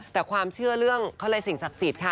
แต่ความเชื่อเรื่องเขาเรียกสิ่งศักดิ์สิทธิ์ค่ะ